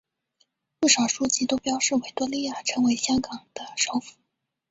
不少书籍都标示维多利亚城为香港的首府。